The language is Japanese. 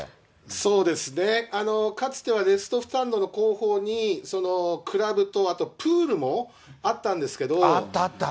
そうですね、かつてはレフトスタンドの後方に、クラブとあとあったあった。